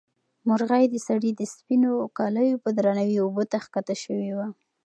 مرغۍ د سړي د سپینې کالیو په درناوي اوبو ته ښکته شوې وه.